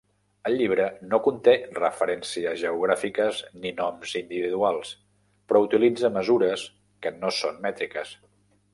El llibre no conté referències geogràfiques ni noms individuals, però utilitza mesures que no són mètriques.